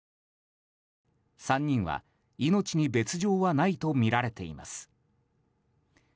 ３人は命に別条はないとみられています。